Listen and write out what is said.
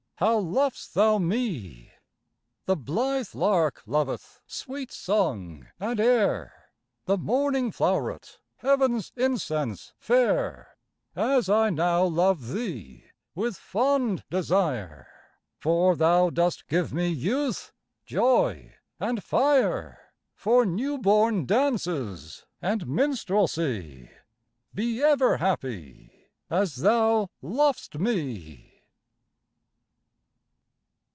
How lov'st thou me! The blithe lark loveth Sweet song and air, The morning flow'ret Heav'n's incense fair, As I now love thee With fond desire, For thou dost give me Youth, joy, and fire, For new born dances And minstrelsy. Be ever happy, As thou lov'st me!